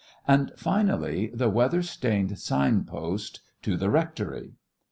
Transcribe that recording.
and, finally, the weather stained signpost, "To the Rectory."